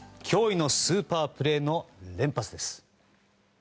驚異のスーパープレーの連発です。